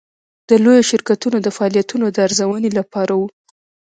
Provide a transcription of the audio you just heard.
د لویو شرکتونو د فعالیتونو د ارزونې لپاره وه.